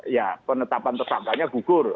ya penetapan tersangkanya gugur